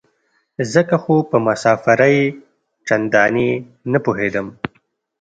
ځکه خو په مسافرۍ چندانې نه پوهېدم.